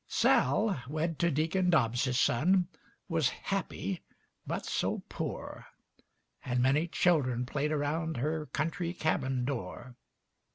Sal, wed to Deken Dobbs's son, Wuz happy, but so poor; And meny children played around Her country cabin door.